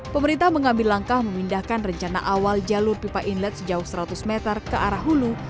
pemerintah mengambil langkah memindahkan rencana awal jalur pipa inlet sejauh seratus meter ke arah hulu